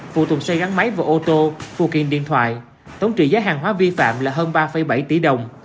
phụ tùng xây gắn máy và ô tô phụ kiện điện thoại tổng trị giá hàng hóa vi phạm là hơn ba bảy tỷ đồng